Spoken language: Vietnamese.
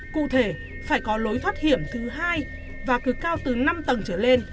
cụ thể phải có lối thoát hiểm thứ hai và cứ cao từ năm tầng trở lên